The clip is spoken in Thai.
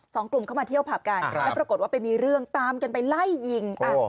สองกลุ่มเข้ามาเที่ยวผับกันแล้วปรากฏว่าไปมีเรื่องตามกันไปไล่ยิงอ่ะ